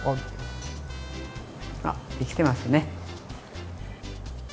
あできてますね。